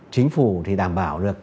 chính phủ thì đảm bảo được